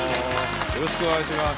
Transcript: よろしくお願いします。